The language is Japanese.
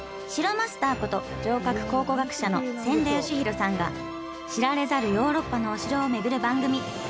マスターこと城郭考古学者の千田嘉博さんが知られざるヨーロッパのお城を巡る番組。